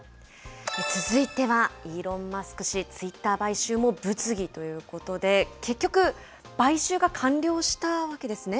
続いてはイーロン・マスク氏、ツイッター買収も物議ということで、結局、買収が完了したわけですね。